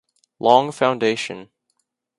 Long Foundation.